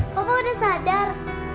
papa udah sadar